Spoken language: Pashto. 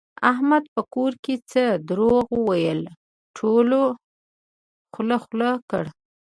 احمد په کور کې څه دروغ وویل ټولو خوله خوله کړ.